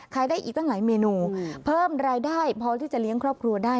ได้อีกตั้งหลายเมนูเพิ่มรายได้พอที่จะเลี้ยงครอบครัวได้